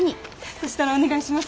そしたらお願いします。